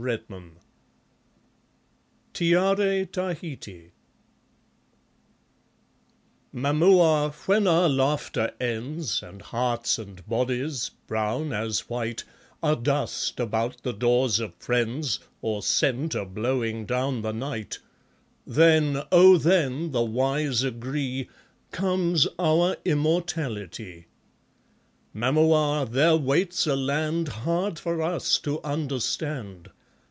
The South Seas Tiare Tahiti Mamua, when our laughter ends, And hearts and bodies, brown as white, Are dust about the doors of friends, Or scent ablowing down the night, Then, oh! then, the wise agree, Comes our immortality. Mamua, there waits a land Hard for us to understand.